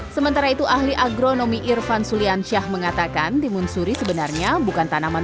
sementara itu ahli agronomi irfan suliansyah mengatakan timun suri sebenarnya bukan tanaman